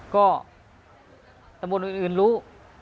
ก็ตำบลอื่นรู้